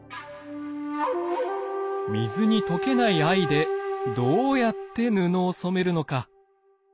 水に溶けない藍でどうやって布を染めるのか？